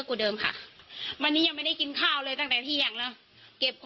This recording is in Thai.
อืม